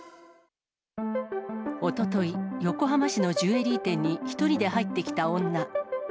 おととい、横浜市のジュエリー店に１人で入ってきた女。